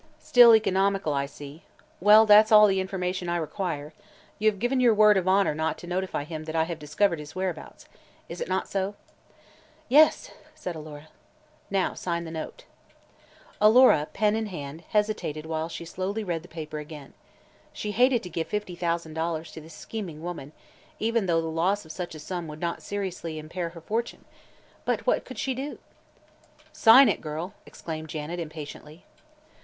"Still economical, I see. Well, that's all the information I require. You have given your word of honor not to notify him that I have discovered his whereabouts. Is it not so?" "Yes," said Alora. "Now sign the note." Alora, pen in hand, hesitated while she slowly read the paper again. She hated to give fifty thousand dollars to this scheming woman, even though the loss of such a sum would not seriously impair her fortune. But what could she do? "Sign it, girl!" exclaimed Janet, impatiently.